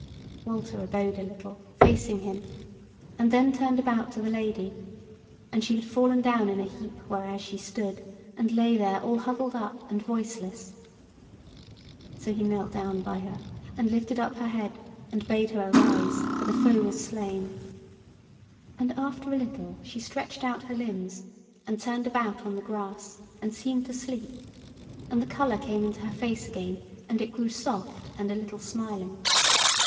Walter abode a little, facing him, and then turned about to the Lady, and she had fallen down in a heap whereas she stood, and lay there all huddled up and voiceless. So he knelt down by her, and lifted up her head, and bade her arise, for the foe was slain. And after a little she stretched out her limbs, and turned about on the grass, and seemed to sleep, and the colour came into her face again, and it grew soft and a little smiling.